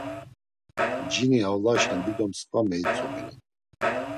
Cini Avlaşen dido msǩva meitzomilen.